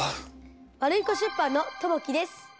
ワルイコ出版のともきです。